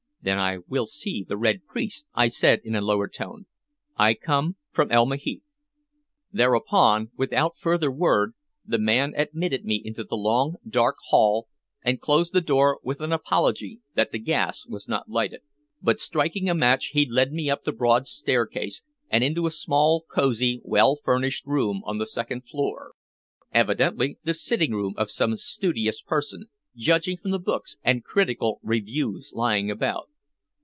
"Then I will see the Red Priest," I said in a lower tone. "I come from Elma Heath." Thereupon, without further word, the man admitted me into the long, dark hall and closed the door with an apology that the gas was not lighted. But striking a match he led me up the broad staircase and into a small, cosy, well furnished room on the second floor, evidently the sitting room of some studious person, judging from the books and critical reviews lying about.